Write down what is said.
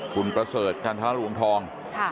คุณประศิรคต์การร์ฟทหรือหลวงทอง